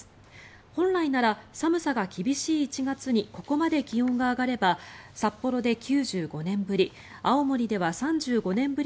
本来なら寒さが厳しい１月にここまで気温が上がれば札幌で９５年ぶり